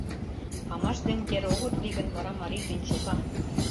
Памаш ден ер огыт лий гын, вара марий тӱнчыга...